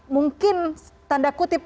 mungkin tanda kutip